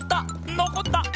のこった！